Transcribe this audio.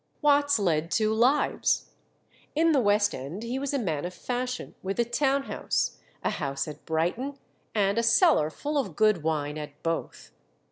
Watts led two lives. In the West End he was a man of fashion, with a town house, a house at Brighton, and a cellar full of good wine at both.